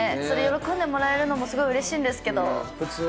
それ喜んでもらえるのもすごいうれしいんですけど。